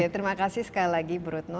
terima kasih sekali lagi brutno